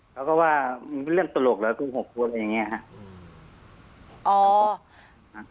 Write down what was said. เขาก็ว่าเรื่องตลกแล้วก็โกหกพูดอะไรอย่างนี้ค่ะ